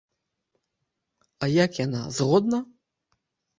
А як яна, згодна?